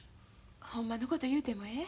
ほんまのこと言うてもええ？